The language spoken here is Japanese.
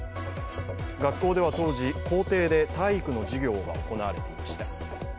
学校では当時、校庭で体育の授業が行われていました。